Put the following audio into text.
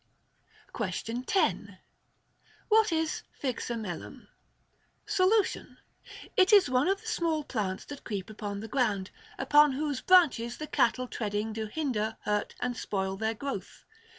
Questio7i 10. What is Phyxemelum? Solution. It is one of the small plants that creep upon the ground, upon whose branches the cattle treading do hinder, hurt, and spoil their growth.